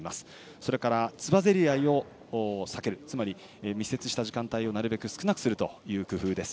それから、つばぜり合いを避けるつまり密接した時間帯をなるべく少なくするという工夫です。